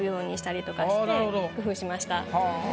工夫しました。